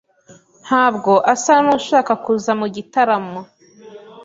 Ntabwo asa nushaka kuza mu gitaramo